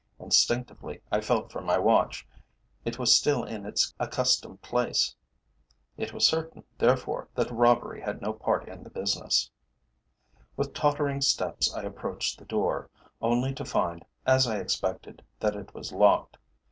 Instinctively, I felt for my watch; it was still in its accustomed place. It was certain, therefore, that robbery had no part in the business. With tottering steps I approached the door, only to find, as I expected, that it was locked.